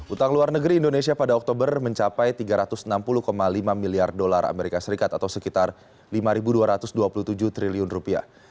utang luar negeri indonesia pada oktober mencapai tiga ratus enam puluh lima miliar dolar amerika serikat atau sekitar lima dua ratus dua puluh tujuh triliun rupiah